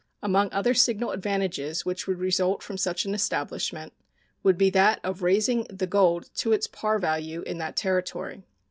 Among other signal advantages which would result from such an establishment would be that of raising the gold to its par value in that territory.